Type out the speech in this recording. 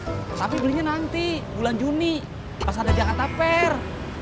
tapi belinya nanti bulan juni pas ada jakarta fair